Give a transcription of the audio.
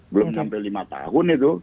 belum sampai lima tahun itu